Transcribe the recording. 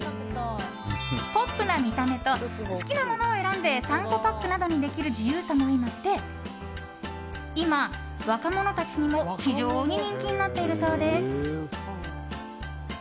ポップな見た目と好きなものを選んで３個パックなどにできる自由さも相まって今、若者たちにも非常に人気になっているそうです。